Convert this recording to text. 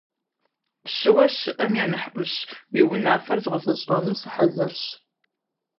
- Пщыуэ щыӀэм я нэхъ Ӏущ, уи унафэр згъэзэщӀэну сыхьэзырщ.